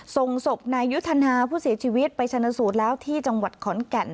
ส่งศพนายยุทธนาผู้เสียชีวิตไปชนะสูตรแล้วที่จังหวัดขอนแก่น